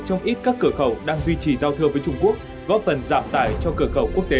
trong ít các cửa khẩu đang duy trì giao thương với trung quốc góp phần giảm tải cho cửa khẩu quốc tế